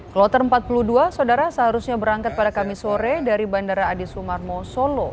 kloter empat puluh dua saudara seharusnya berangkat pada kamis sore dari bandara adi sumarmo solo